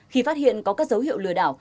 khi phát hiện có các dấu hiệu lừa đảo